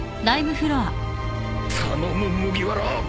頼む麦わら。